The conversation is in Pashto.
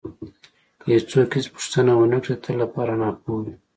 که یو څوک هېڅ پوښتنه ونه کړي د تل لپاره ناپوه وي.